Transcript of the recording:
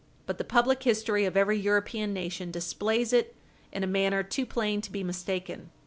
But the public history of every European nation displays it in a manner too plain to be mistaken.